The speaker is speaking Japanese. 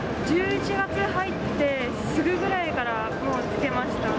１１月入ってすぐぐらいから、もうつけました。